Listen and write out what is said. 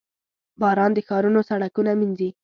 • باران د ښارونو سړکونه مینځي.